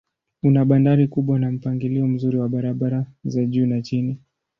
Una bandari kubwa na mpangilio mzuri wa barabara za juu na chini.